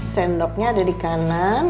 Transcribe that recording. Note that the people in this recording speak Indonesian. sendoknya ada di kanan